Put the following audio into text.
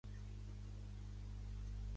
El meu fill es diu Mikel: ema, i, ca, e, ela.